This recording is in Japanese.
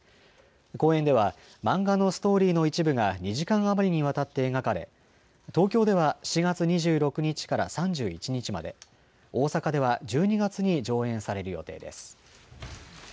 公演では漫画のストーリーの一部が２時間余りにわたって描かれ東京では７月２６日から３１日まで大阪では１２月に上演される予定です。